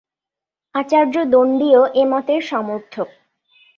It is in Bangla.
আচার্য দন্ডীও এ মতের সমর্থক।